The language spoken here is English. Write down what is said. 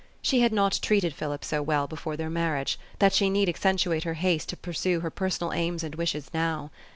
She had not treated Philip so well before their marriage, that she need accentuate her haste to pursue her personal aims and wishes now.